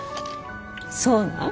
そうなん？